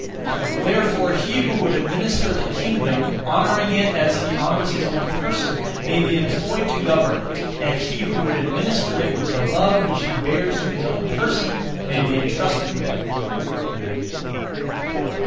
Therefore he who would administer the kingdom, honouring it as he honours his own person, may be employed to govern it, and he who would administer it with the love which he bears to his own person may be entrusted with it.